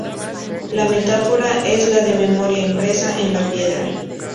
La metáfora es la de la memoria impresa en la piedra.